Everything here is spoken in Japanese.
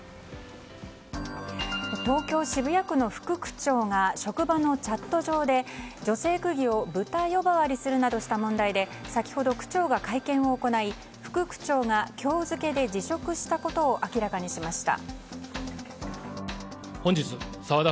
東京・渋谷区の副区長が職場のチャット上で女性区議をブタ呼ばわりするなどした問題で先ほど、区長が会見を行い副区長が今日付で辞職したことを明らかにしました。